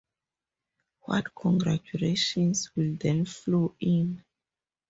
What congratulations will then flow in!